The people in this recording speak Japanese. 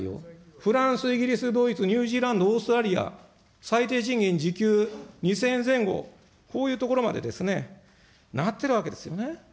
フランス、イギリス、ドイツ、ニュージーランド、オーストラリア、最低賃金、時給２０００円前後、こういうところまでなってるわけですよね。